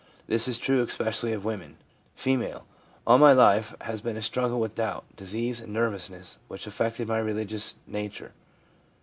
This is true especially of women. F. * All my life has been a struggle with doubt, disease and nervous ness, which affected my religious nature.